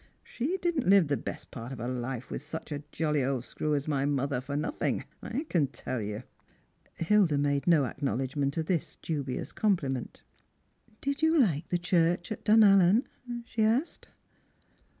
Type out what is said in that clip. She didn't live the best part of her life with such a jolly old screw as my mother fur nothing, I can tell you." Hilda made no acknowledgment of this dubious compliment. Strangers and JPilgrims. 289 Did you like the churcli at Dunallen?" she asked.